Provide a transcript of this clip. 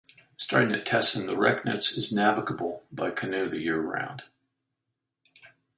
Starting at Tessin, the Recknitz is navigable by canoe the year round.